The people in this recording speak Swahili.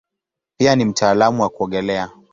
Pia ni mtaalamu wa kuogelea.